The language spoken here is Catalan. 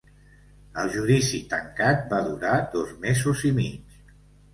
El judici tancat va durar dos mesos i mig.